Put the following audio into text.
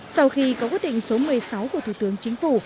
sau khi có quyết định số một mươi sáu của thủ tướng chính phủ